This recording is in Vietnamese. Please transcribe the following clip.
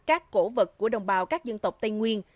các cổ vật của đồng bào các dân tộc tây nguyên